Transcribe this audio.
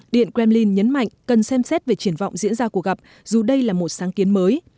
điện kremlin nhấn mạnh cần xem xét về triển vọng diễn ra cuộc gặp dù đây là một sáng kiến mới